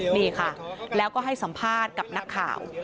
นี่ค่ะแล้วก็ให้สัมภาษณ์กับนักข่าว